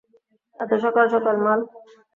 এতো সকাল সকাল মাল?